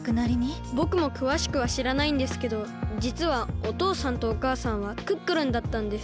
ぼくもくわしくはしらないんですけどじつはおとうさんとおかあさんはクックルンだったんです。